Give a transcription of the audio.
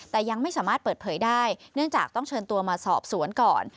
แต่ยังไม่สามารถเปิดเผยได้เนื่องจากต้องเชิญตัวมาสอบสวนก่อน